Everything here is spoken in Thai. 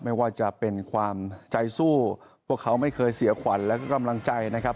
ไม่ว่าจะเป็นความใจสู้พวกเขาไม่เคยเสียขวัญและกำลังใจนะครับ